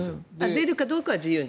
出るかどうかは自由。